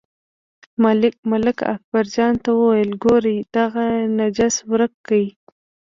ملک اکبرجان ته وویل، ګورئ دغه نجس ورک کړئ.